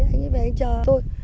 anh về anh chờ tôi